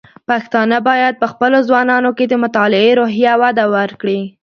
پښتانه بايد په خپلو ځوانانو کې د مطالعې روحيه وده ورکړي.